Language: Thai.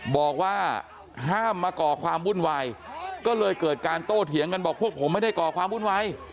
บอกว่าห้ามมาก่อความวุ่นวายก็เลยเกิดการโต้เถียงกันบอกพวกผมไม่ได้ก่อความวุ่นวาย